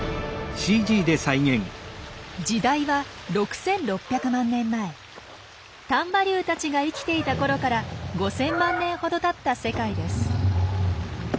時代は丹波竜たちが生きていたころから５，０００万年ほどたった世界です。